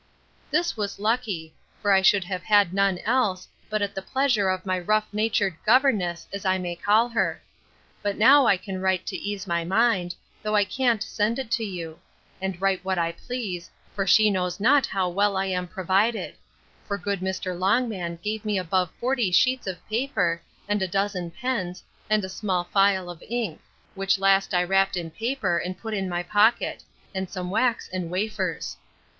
This was lucky; for I should have had none else, but at the pleasure of my rough natured governess, as I may call her; but now I can write to ease my mind, though I can't send it to you; and write what I please, for she knows not how well I am provided: for good Mr. Longman gave me above forty sheets of paper, and a dozen pens, and a little phial of ink; which last I wrapped in paper, and put in my pocket; and some wax and wafers.